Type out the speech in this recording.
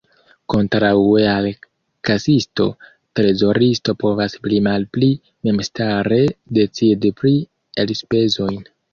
Kontraŭe al kasisto, trezoristo povas pli-malpli memstare decidi pri elspezojn.